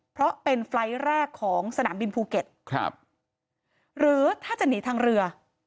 เพราะเป็นไฟล์ทแรกของสนามบินภูเก็ตครับหรือถ้าจะหนีทางเรือ